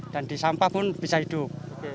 dan di sampah pun bisa hidup